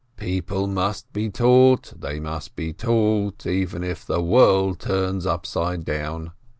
"People must be taught, they must be taught, even if the world turn upside down."